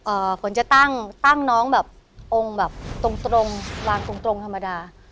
ฝนจะตั้งตั้งน้องแบบองค์แบบตรงตรงลานตรงตรงธรรมดา